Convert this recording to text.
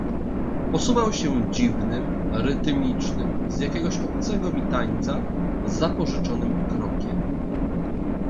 "Posuwał się dziwnym, rytmicznym, z jakiegoś obcego mi tańca, zapożyczonym krokiem."